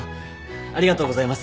ありがとうございます。